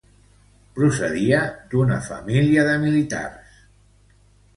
Francisco procedia d'una família de militars.